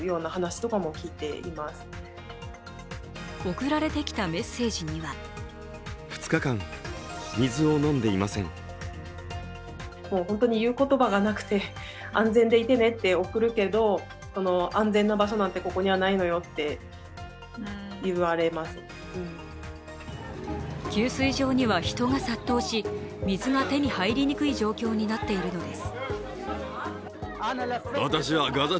送られてきたメッセージには給水場には人が殺到し、水が手に入りにくい状況になっているのです。